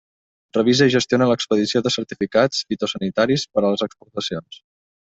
Revisa i gestiona l'expedició de certificats fitosanitaris per a les exportacions.